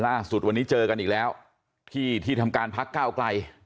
ล่าสุดวันนี้เจอกันอีกแล้วที่ที่ทำการพักก้าวไกล